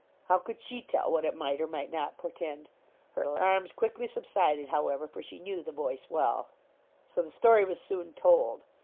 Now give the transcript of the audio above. How could she tell what it might or might not portend? Her alarms quickly subsided, however, for she knew the voice well. So the story was soon told.